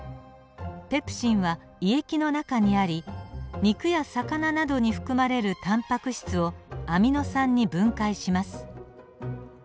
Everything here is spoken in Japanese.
ペプシンは胃液の中にあり肉や魚などに含まれるタンパク質をアミノ酸に分解します。